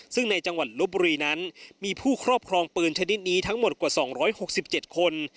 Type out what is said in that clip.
ซึ่งในจังหวัดลบบุรีนั้นมีผู้ครอบครองปืนชนิดนี้ทั้งหมดกว่า๒๖๗คน